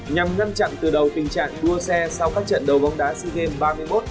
nhằm ngăn chặn từ đầu tình trạng đua xe sau các trận đầu bóng đá sigem ba mươi một